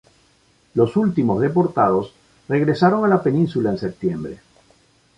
Los últimos deportados regresaron a la Península en septiembre.